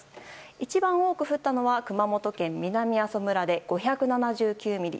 一番多く降ったのは熊本県南阿蘇村で５７９ミリ。